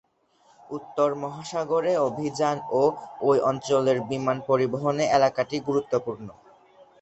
উত্তর মহাসাগরে অভিযান ও ঐ অঞ্চলের বিমান পরিবহনে এলাকাটি গুরুত্বপূর্ণ।